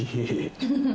フフフフ。